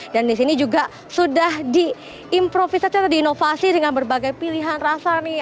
dan disini juga sudah diimprovisasi atau diinovasi dengan berbagai pilihan rasa nih